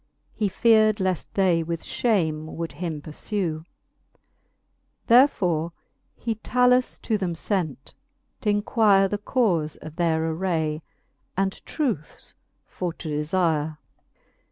He fear'd leaft they with fhame would him purfew. Therefore he Talus to them lent, t'inquire The caufe of their aray, and truce for to delire.